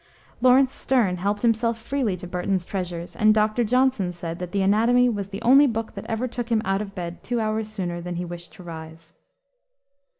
Lawrence Sterne helped himself freely to Burton's treasures, and Dr. Johnson said that the Anatomy was the only book that ever took him out of bed two hours sooner than he wished to rise.